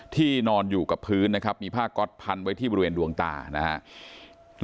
นอนอยู่กับพื้นนะครับมีผ้าก๊อตพันไว้ที่บริเวณดวงตานะครับ